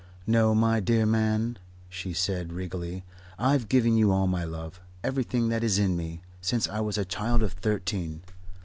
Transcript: No, my dear man," she said regally, "I've given you all my love everything that is in me since I was a child of thirteen.